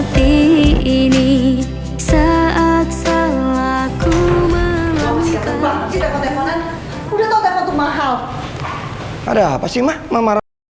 tidak jadi didadam